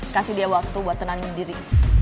kasih dia waktu buat tenangin diri